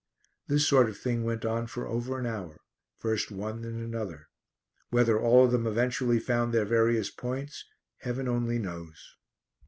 This sort of thing went on for over an hour; first one then another. Whether all of them eventually found their various points Heaven only knows!